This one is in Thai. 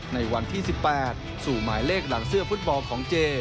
ในวันที่๑๘สู่หมายเลขหลังเสื้อฟุตบอลของเจ